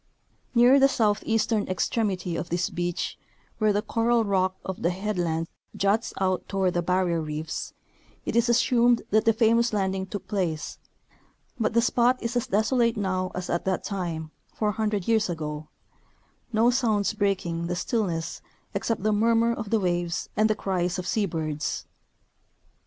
Near the south eastern extremity of this beach, where the coral rock of the head land juts out toward the barrier reefs, it is assumed that the famous landing took place ; but the spot is as desolate now as at that time, four hundred years ago, no sounds breaking the stillness except the murmur of the waves and the cries of sea birds.